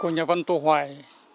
nhà văn tôi hoài